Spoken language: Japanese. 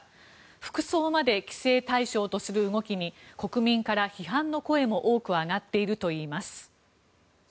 服装まで規制対象とする動きに国民から批判の声も多く上がっているといわれています。